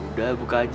udah buka aja